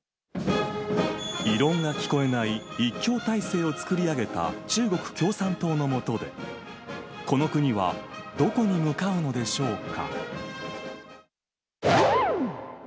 異論が聞こえない一強体制を作り上げた中国共産党の下で、この国はどこに向かうのでしょうか。